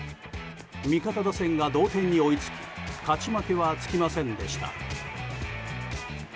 味方打線が同点に追いつき勝ち負けはつきませんでした。